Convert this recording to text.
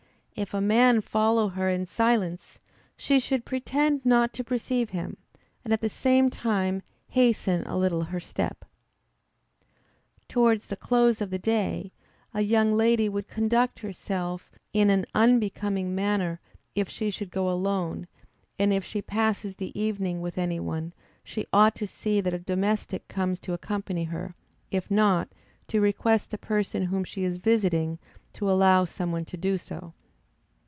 If a man follow her in silence, she should pretend not to perceive him, and at the same time hasten a little her step. Towards the close of the day, a young lady would conduct herself in an unbecoming manner, if she should go alone; and if she passes the evening with any one, she ought to see that a domestic comes to accompany her, if not, to request the person whom she is visiting, to allow some one to do so.